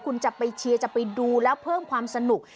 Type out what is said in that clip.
คุณจะไปเชียร์จะไปดูแล้วเพิ่มความสนุก